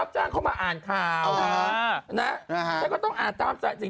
ฉันอ่านสคริปต์